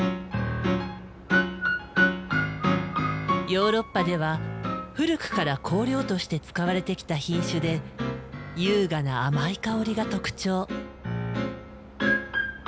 ヨーロッパでは古くから香料として使われてきた品種で優雅な甘い香りが特徴。